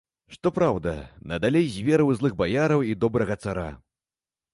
Што праўда, надалей з верай у злых баяраў і добрага цара.